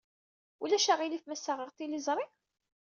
Ulac aɣilif ma ssaɣeɣ tiliẓri?